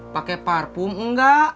pakai parfum enggak